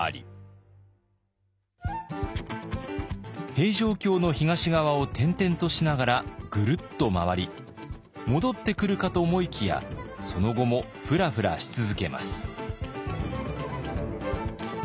平城京の東側を転々としながらぐるっと回り戻ってくるかと思いきやその後もふらふらし続けます。